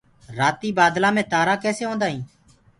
رآتيٚ بآدلآ مي تآرآ ڪيسي هوندآ هينٚ